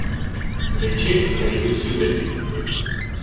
— Речи, хай ідуть сюди.